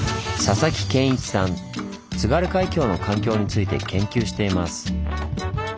津軽海峡の環境について研究しています。